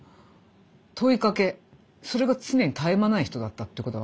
問いかけそれが常に絶え間ない人だったってことが分かるんですよね。